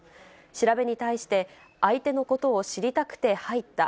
調べに対して、相手のことを知りたくて入った。